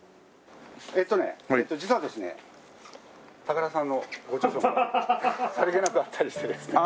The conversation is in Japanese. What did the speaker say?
えっとね実はですね高田さんのご著書もさりげなくあったりしてですね。